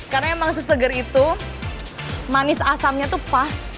karena emang seseger itu manis asamnya tuh pas